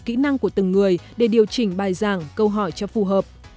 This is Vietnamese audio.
kỹ năng của từng người để điều chỉnh bài giảng câu hỏi cho phù hợp